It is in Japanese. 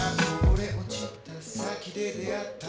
「零れ落ちた先で出会った」